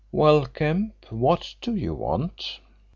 "Well, Kemp, what do you want?"